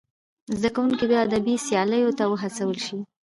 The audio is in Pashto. زدهکوونکي دې ادبي سیالیو ته وهڅول سي.